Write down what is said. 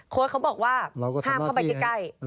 เขาบอกว่าห้ามเข้าไปใกล้